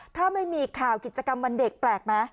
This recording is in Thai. ถ้าไม่มีข่าวกิจกรรมวันเด็กแปลกไหม